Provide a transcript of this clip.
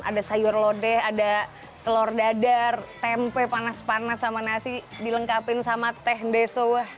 ada sayur lodeh ada telur dadar tempe panas panas sama nasi dilengkapin sama teh deso